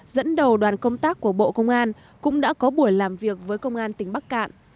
dẫn đầu đoàn công tác của bộ công an cũng đã có buổi làm việc với công an tỉnh bắc cạn